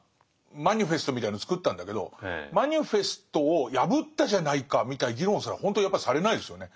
マニフェストみたいのを作ったんだけどマニフェストを破ったじゃないかみたいな議論すらほんとやっぱりされないですよね。